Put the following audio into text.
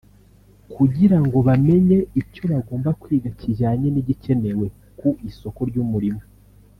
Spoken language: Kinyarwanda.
kugira ngo bamenye icyo bagomba kwiga kijyanye n’igikenewe ku isoko ry’umurimo”